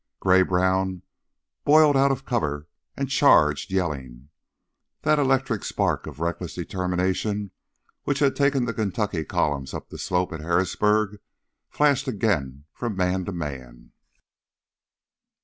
Gray brown boiled out of cover and charged, yelling. That electric spark of reckless determination which had taken the Kentucky columns up the slope at Harrisburg flashed again from man to man.